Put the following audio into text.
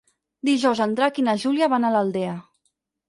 Dijous en Drac i na Júlia van a l'Aldea.